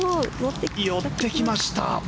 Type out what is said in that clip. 寄ってきました。